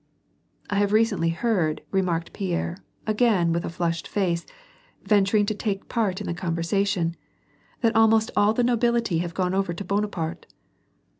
"I have recently heard" remarked Pierre, again, with a flushed face, venturing to take part in the conversation^ '^ that almost all the nobility have gone over to Bonaparte."